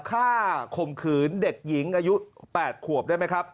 ข่มขืนเด็กหญิงอายุ๘ขวบได้ไหมครับ